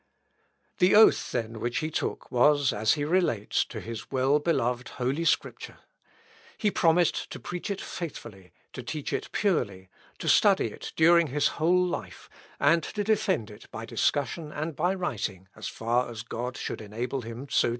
The oath, then, which he took was, as he relates, to his well beloved Holy Scripture. He promised to preach it faithfully, to teach it purely, to study it during his whole life, and to defend it by discussion and by writing, as far as God should enable him to do so.